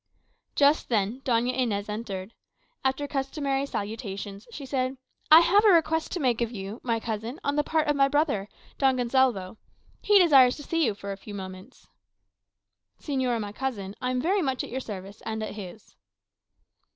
Just then Doña Inez entered. After customary salutations, she said, "I have a request to make of you, my cousin, on the part of my brother, Don Gonsalvo. He desires to see you for a few moments." "Señora my cousin, I am very much at your service, and at his."